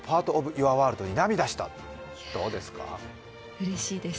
うれしいです。